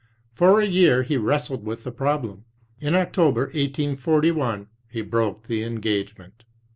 For a year he wrestled with the problem. In October, 1841, he broke the engagement.